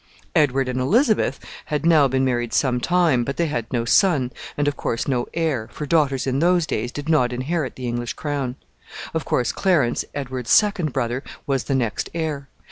Edward and Elizabeth had now been married some time, but they had no son, and, of course, no heir, for daughters in those days did not inherit the English crown. Of course, Clarence, Edward's second brother, was the next heir.